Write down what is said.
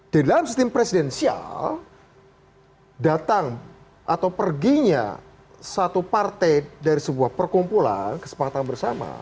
di dalam sistem presidensial datang atau perginya satu partai dari sebuah perkumpulan kesepakatan bersama